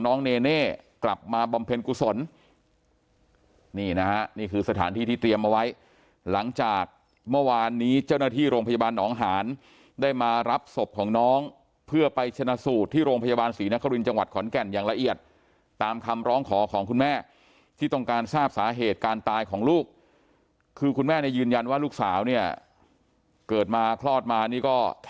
เนเน่กลับมาบำเพ็ญกุศลนี่นะฮะนี่คือสถานที่ที่เตรียมเอาไว้หลังจากเมื่อวานนี้เจ้าหน้าที่โรงพยาบาลหนองหานได้มารับศพของน้องเพื่อไปชนะสูตรที่โรงพยาบาลศรีนครินทร์จังหวัดขอนแก่นอย่างละเอียดตามคำร้องขอของคุณแม่ที่ต้องการทราบสาเหตุการตายของลูกคือคุณแม่เนี่ยยืนยันว่าลูกสาวเนี่ยเกิดมาคลอดมานี่ก็